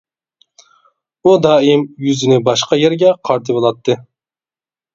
ئۇ دائىم يۈزىنى باشقا يەرگە قارىتىۋالاتتى.